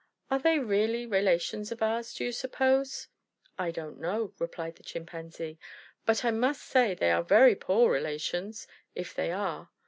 Are they really relations of ours, do you suppose?" "I don't know," replied the Chimpanzee, "but I must say they are very poor relations, if they are.